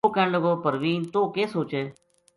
وہ کہن لگو پروین توہ کے سوچے ؟